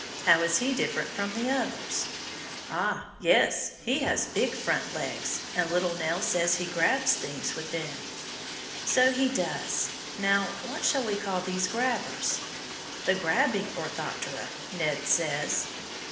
How is he different from the others? Ah, yes, he has big front legs, and little Nell says he grabs things with them. So he does. Now, what shall we call these grabbers? The Grabbing Orthoptera, Ned says.